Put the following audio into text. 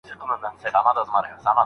آیا تونلونه تر غارونو اوږده دي؟